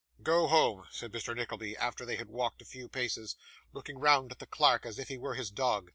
'Go home!' said Mr. Nickleby, after they had walked a few paces: looking round at the clerk as if he were his dog.